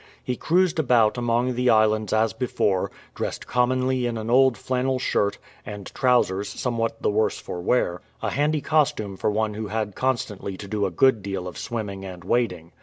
He cruised about among the islands as before — dressed commonly in an old flannel shirt, and trousers somewhat the worse for wear — a handy costume for one who had constantly to do a good deal of swimming and wading.